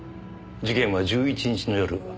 事件は１１日の夜蓮沼署